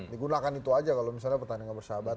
digunakan itu aja kalau misalnya pertandingan bersahabat